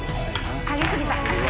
上げすぎた。